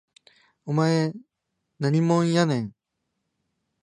お前何もんやねん